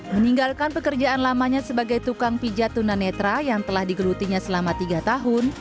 meninggalkan pekerjaan lamanya sebagai tukang pijat tunanetra yang telah digelutinya selama tiga tahun